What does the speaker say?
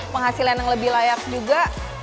penghasilan yang lebih layak juga